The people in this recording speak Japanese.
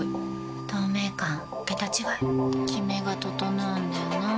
透明感桁違いキメが整うんだよな。